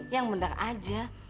yang bener aja